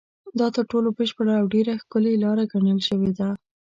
دا تر ټولو بشپړه او ډېره ښکلې لاره ګڼل شوې ده.